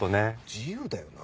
自由だよな。